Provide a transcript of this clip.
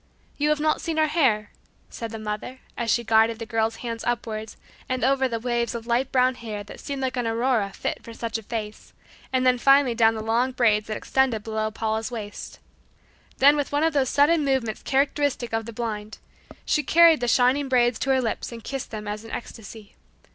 "You have not seen her hair," said the mother, as she guided the girl's hands upward and over the waves of light brown hair that seemed like an aurora fit for such a face, and then finally down the long braids that extended below Paula's waist Then with one of those sudden movements characteristic of the blind, she carried the shining braids to her lips and kissed them as in an ecstasy.